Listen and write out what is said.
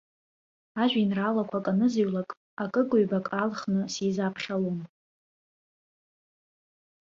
Ажәеинраалақәак анызыҩлак, акык-ҩбак аалхны сизаԥхьалон.